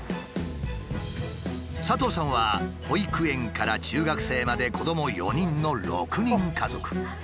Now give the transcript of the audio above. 佐藤さんは保育園から中学生まで子ども４人の６人家族。